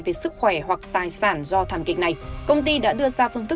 về sức khỏe hoặc tài sản do thảm kịch này công ty đã đưa ra phương thức